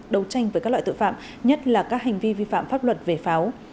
đấu tranh với các loại tội phạm nhất là các hành vi vi phạm pháp luật về pháo